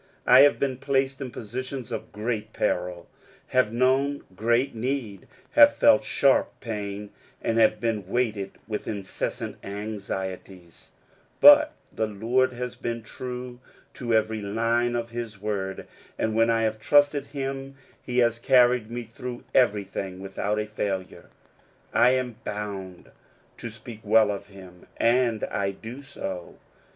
I have been placed in positions of great perils have known great need, have felt sharp pain, and have been weighted with incessant afixieties; but the Lord has been true to every line of his word, and when I have trusted him he has carried me through everything without a failure, I am bound to speak well of him, and I do so.